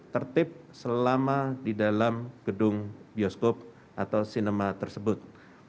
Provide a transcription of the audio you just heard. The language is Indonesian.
tertib selama di dalam gedung bioskop atau sinema tersebut